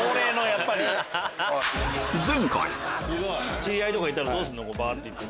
前回知り合いとかいたらどうするの？